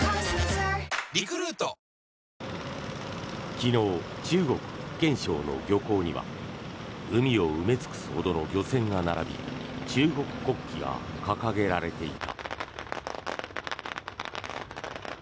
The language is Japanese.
昨日、中国・福建省の漁港には海を埋め尽くすほどの漁船が並び中国国旗が掲げられていた。